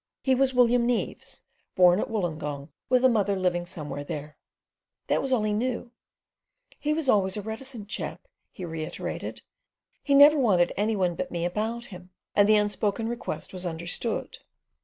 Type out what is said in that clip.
He was William Neaves, born at Woolongong, with a mother living somewhere there. That was all he knew. "He was always a reticent chap," he reiterated. "He never wanted any one but me about him," and the unspoken request was understood.